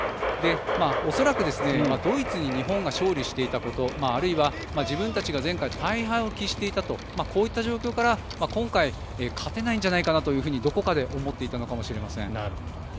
恐らくドイツに日本が勝利していたことあるいは自分たちが前回大敗を喫していたとこういった状況から今回、勝てないんじゃないかなとどこかで思っていたのかもしれません。